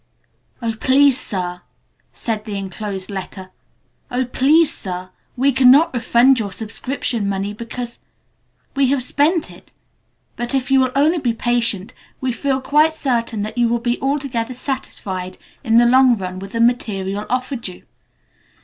"Oh, please, Sir," said the enclosed letter, "Oh, please, Sir, we cannot refund your subscription money because we have spent it. But if you will only be patient, we feel quite certain that you will be altogether satisfied in the long run with the material offered you.